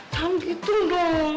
canggih tuh dong